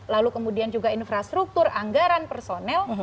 lalu kemudian juga infrastruktur anggaran personel